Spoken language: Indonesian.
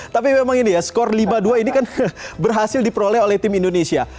tapi memang ini ya skor lima dua ini kan berhasil diperoleh oleh tim indonesia